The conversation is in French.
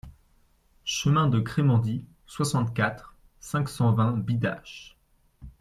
Chemin de Crémendy, soixante-quatre, cinq cent vingt Bidache